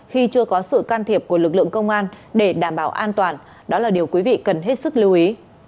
khi chưa có sự can thiệp của lực lượng công an để đảm bảo an toàn đó là điều quý vị cần hết sức lưu ý